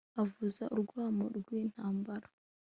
avuza urwamo rw'intambara